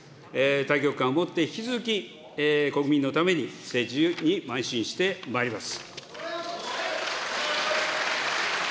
大局観を持って引き続き、国民のためにまい進してまいります。